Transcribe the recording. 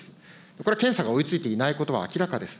これ検査が追いついていないことは明らかです。